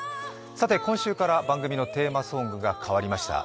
今週から番組のテーマソングが変わりました。